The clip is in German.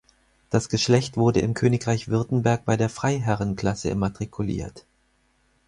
Das Geschlecht wurde im Königreich Württemberg bei der Freiherrenklasse immatrikuliert.